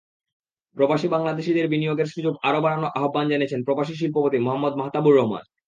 প্রবাসী বাংলাদেশিদের বিনিয়োগের সুযোগ আরও বাড়ানোর আহ্বান জানিয়েছেন প্রবাসী শিল্পপতি মোহাম্মদ মাহতাবুর রহমান।